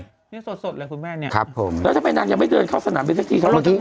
นี่สดเลยคุณแม่ละนางแล้วทำไมนางยังไม่เดินให้เข้าสนานไปเมื่อกี้